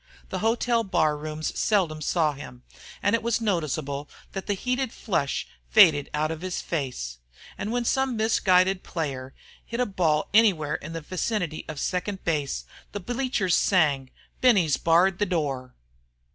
The hotel bar rooms seldom saw him, and it was noticeable that the heated flush faded out of his face. And when some misguided ball player hit a ball anywhere in the vicinity of second base the bleachers sang: "Benny's barred the door!"